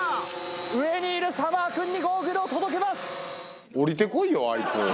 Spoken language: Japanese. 上にいるサマーくんにゴーグルを届けます！